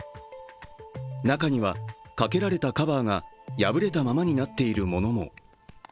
中には、かけられたカバーが破れたままになっているものも。